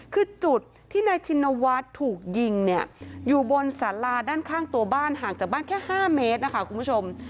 คือจุดที่นายชินวัฒน์ถูกยิงเนี่ยอยู่บนสาราด้านข้างตัวบ้านห่างจากบ้านแค่๕เมตรนะคะคุณผู้ชม